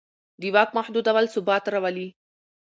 د واک محدودول ثبات راولي